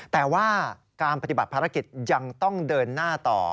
แต่ว่าการปฏิบัติภารกิจยังต้องเดินหน้าต่อ